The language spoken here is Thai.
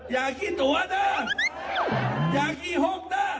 อย่าเกี่ยวตัว